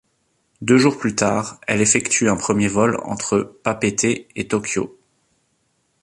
Deux jours plus tard, elle effectue un premier vol entre Papeete et Tokyo.